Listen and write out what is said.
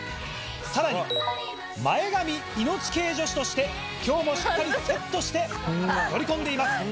さらに前髪命系女子として今日もしっかりセットして乗り込んでいます。